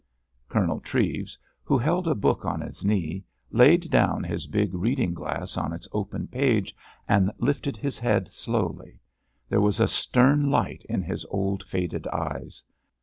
Colonel Treves, who held a book on his knee, laid down his big reading glass on its open page, and lifted his head slowly. There was a stern light in his old faded eyes.